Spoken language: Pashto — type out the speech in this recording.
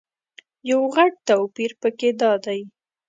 یو غټ توپیر په کې دادی.